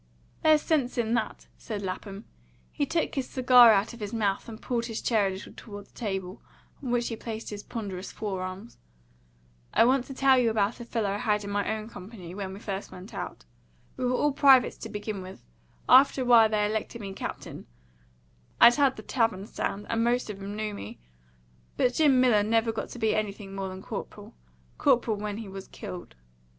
"There's sense in that," said Lapham. He took his cigar out of his mouth, and pulled his chair a little toward the table, on which he placed his ponderous fore arms. "I want to tell you about a fellow I had in my own company when we first went out. We were all privates to begin with; after a while they elected me captain I'd had the tavern stand, and most of 'em knew me. But Jim Millon never got to be anything more than corporal; corporal when he was killed."